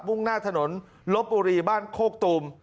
่งหน้าถนนลบบุรีบ้านโคกตูม